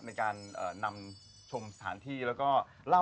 วัดสุทัศน์นี้จริงแล้วอยู่มากี่ปีตั้งแต่สมัยราชการไหนหรือยังไงครับ